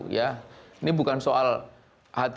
ini bukan soal hti